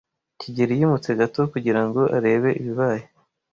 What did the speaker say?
kigeli yimutse gato kugirango arebe ibibaye.